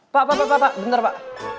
pak pak pak pak bentar pak